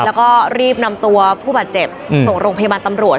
แล้วก็รีบนำตัวผู้บาดเจ็บส่งโรงพยาบาลตำรวจ